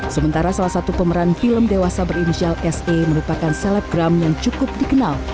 sementara salah satu pemeran film dewasa berinisial sa merupakan selebgram yang cukup dikenal